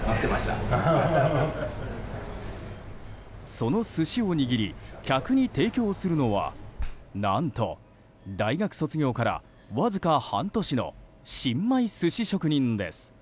その寿司を握り客に提供するのは何と大学卒業からわずか半年の新米寿司職人です。